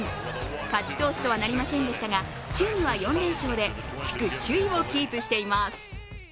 勝ち投手とはなりませんでしたがチームは４連勝で地区首位をキープしています。